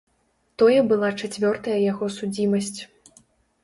Тое была чацвёртая яго судзімасць.